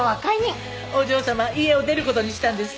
お嬢様家を出る事にしたんですって？